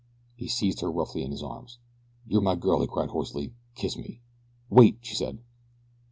He seized her roughly in his arms. "You are my girl!" he cried hoarsely. "Kiss me!" "Wait!" she said.